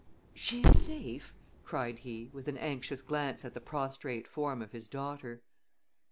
"She is safe?" cried he, with an anxious glance at the prostrate form of his daughter.